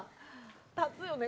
立つよね